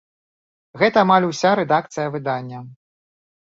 Гэта амаль уся рэдакцыя выдання.